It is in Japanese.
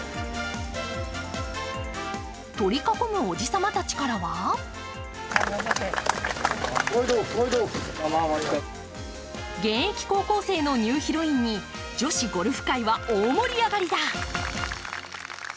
取り囲むおじさまたちからは現役高校生のニューヒロインに女子ゴルフ界は大盛り上がりだ。